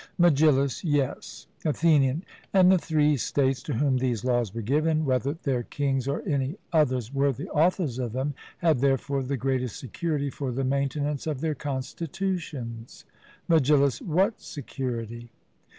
MEGILLUS: Yes. ATHENIAN: And the three states to whom these laws were given, whether their kings or any others were the authors of them, had therefore the greatest security for the maintenance of their constitutions? MEGILLUS: What security?